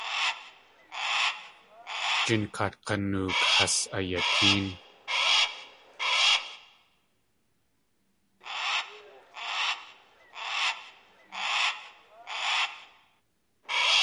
Jinkaat g̲anook has ayatéen.